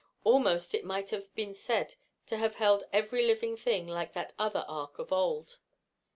Almost it might have been said to have held every living thing, like that other ark of old.